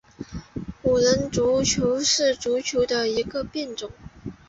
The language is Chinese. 五人足球是足球的一个变种。